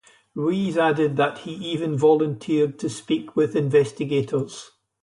Ruiz added that he even volunteered to speak with investigators.